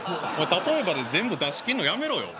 例えばで全部出し切んのやめろよ。